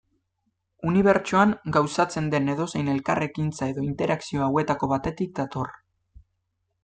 Unibertsoan gauzatzen den edozein elkarrekintza edo interakzio hauetako batetik dator.